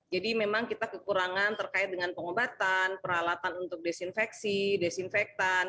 jadi memang kita kekurangan terkait dengan pengobatan peralatan untuk desinfeksi desinfektan